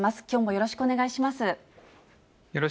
よろしくお願いします。